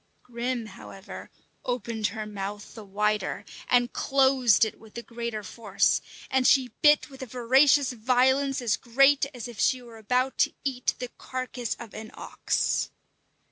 Grim, however, opened her mouth the wider, and closed it with the greater force, and she bit with a voracious violence as great as if she were about to eat the carcass of an ox.